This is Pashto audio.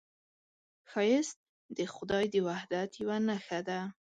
ښایست د خدای د وحدت یوه نښه ده